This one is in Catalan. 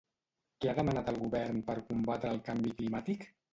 Què ha demanat al govern per combatre el canvi climàtic?